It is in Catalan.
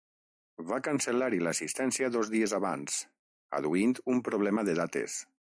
Va cancel·lar-hi l’assistència dos dies abans, adduint “un problema de dates”.